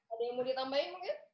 ada yang mau ditambahin